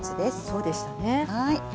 そうでしたね。